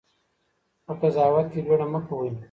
په قضاوت کې بېړه مه کوئ.